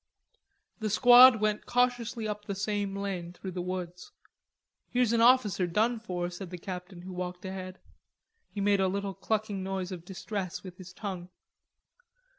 The squad went cautiously up the same lane through the woods. "Here's an officer done for," said the captain, who walked ahead. He made a little clucking noise of distress with his tongue.